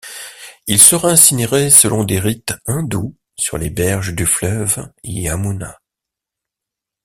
Il sera incinéré selon des rites hindous sur les berges du fleuve Yamuna.